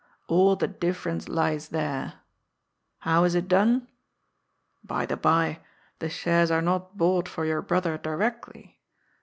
All the difference lies there. How is it done ? By the bye, the shares are not bought for your brother directly.